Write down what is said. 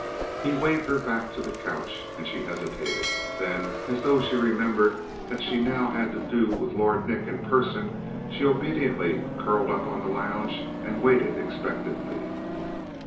He waved her back to her couch, and she hesitated. Then, as though she remembered that she now had to do with Lord Nick in person, she obediently curled up on the lounge, and waited expectantly.